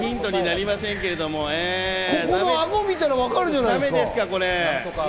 ここのあごを見たらわかるじゃないですか。